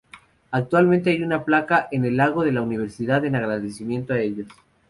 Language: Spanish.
Actualmente hay una placa en el lago de la universidad en agradecimiento a ellos.